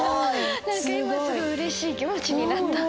何か今すごいうれしい気持ちになった。